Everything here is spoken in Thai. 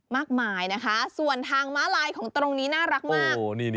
มากมายนะคะส่วนทางม้าลายของตรงนี้น่ารักมาก